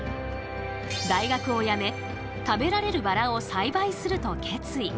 大学をやめ食べられるバラを栽培すると決意。